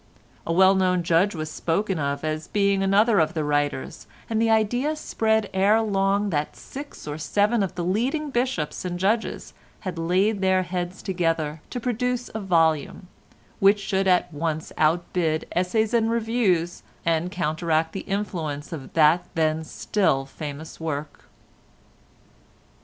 A well known judge was spoken of as being another of the writers, and the idea spread ere long that six or seven of the leading bishops and judges had laid their heads together to produce a volume, which should at once outbid "Essays and Reviews" and counteract the influence of that then still famous work.